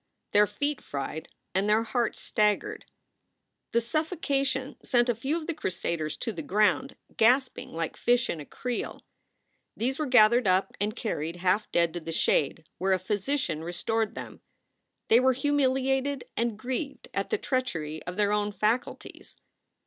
Their feet fried and their hearts staggered. The suffocation sent a few of the crusaders to the ground, gasping like fish in a creel. These were gathered up and carried half dead to the shade, where a physician restored them. They were humiliated and grieved at the treachery of their own faculties.